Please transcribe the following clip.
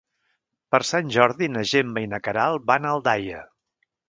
Per Sant Jordi na Gemma i na Queralt van a Aldaia.